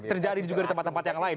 terjadi juga di tempat tempat yang lain